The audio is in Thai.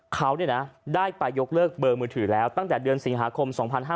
เขาได้ไปยกเลิกเบอร์มือถือแล้วตั้งแต่เดือนสิงหาคม๒๕๕๙